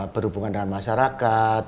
berhubungan dengan masyarakat